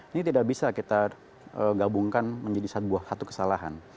ini tidak bisa kita gabungkan menjadi satu kesalahan